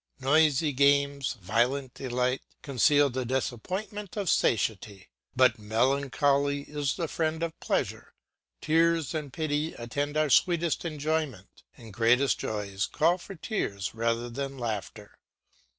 Noisy games, violent delight, conceal the disappointment of satiety. But melancholy is the friend of pleasure; tears and pity attend our sweetest enjoyment, and great joys call for tears rather than laughter.